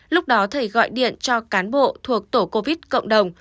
lúc đó thầy gọi điện cho cán bộ thuộc tổ covid cộng đồng